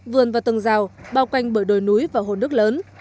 vườn và tầng rào bao quanh bởi đồi núi và hồ nước lớn